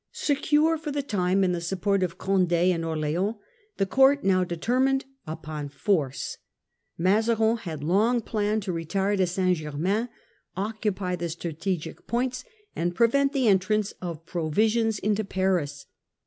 Secure for the time in the support of Cond£ and Orleans, the court now determined upon force. Mazarin Second 1 ong planned to retire to St. Germain, withdrawal occupy the strategic points, and prevent the of the court. entrance Q f provisions into Paris.